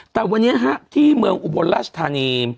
แต่วันนี้ที่เมืองอุบลราชธานี